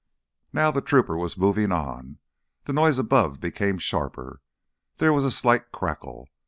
Now the trooper was moving on, the noise above became sharper. There was a slight crackle.